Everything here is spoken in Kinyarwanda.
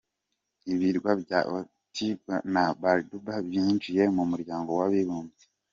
Ibirwa bya Antigua and Barbuda byinjiye mu muryango w’abibumbye.